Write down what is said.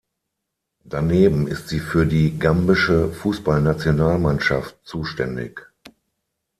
Daneben ist sie für die Gambische Fußballnationalmannschaft zuständig.